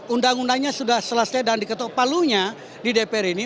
undang undangnya sudah selesai dan diketok palunya di dpr ini